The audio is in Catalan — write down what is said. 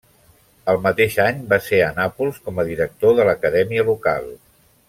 El mateix any va ser a Nàpols com a director de l'Acadèmia local.